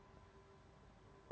ya kita akan dorong kepada bus